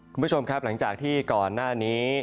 คุณผู้ชมครับหลังจากที่ก่อนหน้านี้